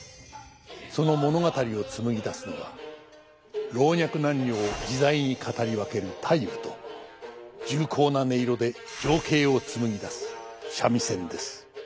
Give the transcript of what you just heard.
その物語を紡ぎ出すのは老若男女を自在に語り分ける太夫と重厚な音色で情景を紡ぎ出す三味線です。